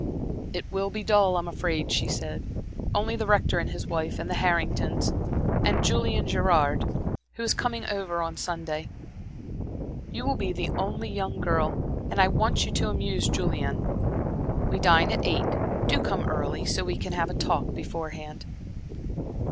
"It will be dull, I'm afraid," she said. "Only the Rector and his wife, and the Hartingtons, and Julian Gerard, who is coming up over Sunday. You will be the only young girl, and I want you to amuse Julian. We dine at eight. Do come early, so we can have a talk beforehand."